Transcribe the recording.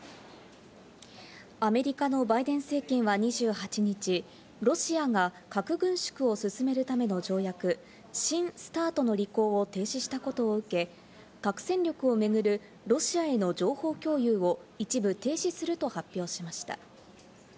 アメリカのバイデン政権は２８日、ロシアが核軍縮を進めるための条約・新ＳＴＡＲＴの履行を停止したことを受け、核戦力をめぐるロシアへの情報共有を一部停止すると発表しました。